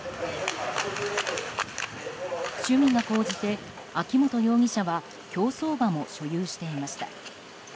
趣味が高じて秋本容疑者は競走馬も所有していました。